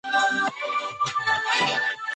陆克文凭藉这篇论文获得一级荣誉学位毕业。